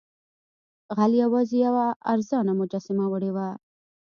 غل یوازې یوه ارزانه مجسمه وړې وه.